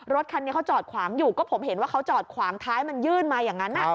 รถคันนี้เขาจอดขวางอยู่ก็ผมเห็นว่าเขาจอดขวางท้ายมันยื่นมาอย่างนั้น